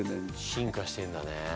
進化してんだね。